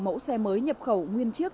mẫu xe mới nhập khẩu nguyên chiếc